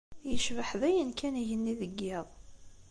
Yecbeḥ dayen kan yigenni deg yiḍ.